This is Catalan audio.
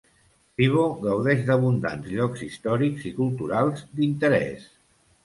Zibo gaudeix d'abundants llocs històrics i culturals d'interès.